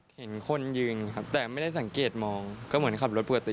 เห็นคนยืนครับแต่ไม่ได้สังเกตมองก็เหมือนขับรถปกติ